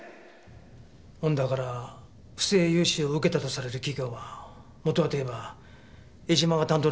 恩田から不正融資を受けたとされる企業はもとはといえば江島が担当だった会社でした。